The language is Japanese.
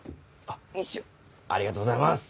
ありがとうございます。